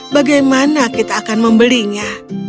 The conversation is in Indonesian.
bagaimana kita akan membelinya